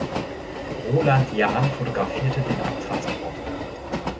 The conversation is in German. Roland Jahn fotografierte den Abtransport.